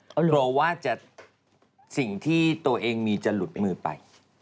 กลัวว่าจะสิ่งที่ตัวเองมีจะหลุดมือไป